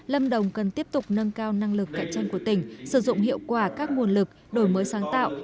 lâm đồng cần tiếp tục nâng cao năng lực cạnh tranh của tỉnh sử dụng hiệu quả các nguồn lực đổi mới sáng tạo